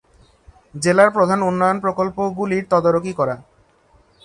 জেলার প্রধান উন্নয়ন প্রকল্পগুলির তদারকি করা।